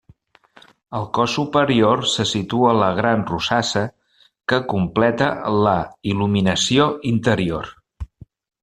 Al cos superior se situa la gran rosassa, que completa la il·luminació interior.